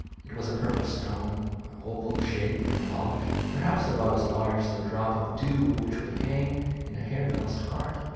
It was a purple stone, oval shaped and polished, perhaps about as large as the drop of dew which could hang in a harebell's heart.